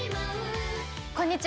こんにちは。